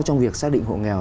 trong việc xác định hộ nghèo